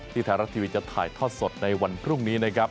ไทยรัฐทีวีจะถ่ายทอดสดในวันพรุ่งนี้นะครับ